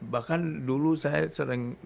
bahkan dulu saya sering